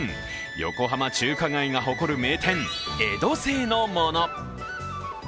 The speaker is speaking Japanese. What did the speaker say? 横浜・中華街が誇る名店江戸清のもの。